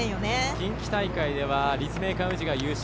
近畿大会では立命館宇治が優勝。